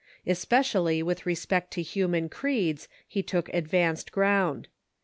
Especially with respect to human creeds he took advanced ground.